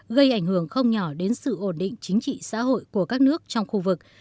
gây ảnh hưởng không nhỏ đến sự ổn định chính trị xã hội của các nước trong khu vực